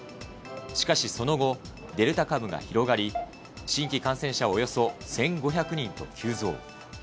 しかしその後、デルタ株が広がり、新規感染者はおよそ１５００人と急増。